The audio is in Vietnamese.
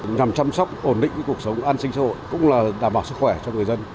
nhằm chăm sóc ổn định cuộc sống an sinh xã hội cũng là đảm bảo sức khỏe cho người dân